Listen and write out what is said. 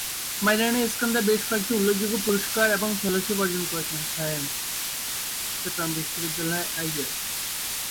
Mariana Iskandar বেশ কয়েকটি উল্লেখযোগ্য পুরষ্কার এবং ফেলোশিপ অর্জন করেছেন।